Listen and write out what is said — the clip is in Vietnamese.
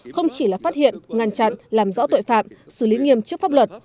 không chỉ là phát hiện ngăn chặn làm rõ tội phạm xử lý nghiêm trước pháp luật